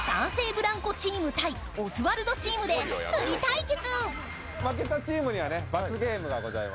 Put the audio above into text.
ブランコチーム対オズワルドチームで釣り対決。